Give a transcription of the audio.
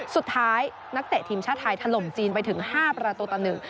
นักเตะทีมชาติไทยถล่มจีนไปถึง๕ประตูต่อหนึ่ง